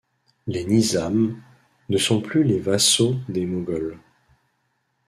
Les Nizâm ne sont plus les vassaux des Moghols.